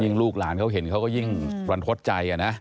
ลูกหลานเขาเห็นเขาก็ยิ่งรันทดใจนะ